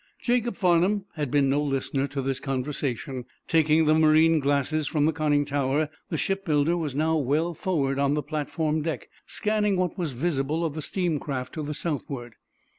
Jacob Farnum had been no listener to this conversation. Taking the marine glasses from the conning tower, the shipbuilder was now well forward on the platform deck, scanning what was visible of the steam craft to the southward.